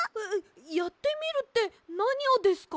やってみるってなにをですか？